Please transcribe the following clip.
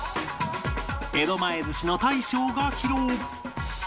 江戸前ずしの大将が披露